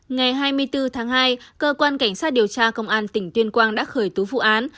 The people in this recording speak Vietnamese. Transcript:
ngày hai mươi bốn tháng hai cơ quan cảnh sát điều tra công an tỉnh tuyên quang đã khởi tố vụ án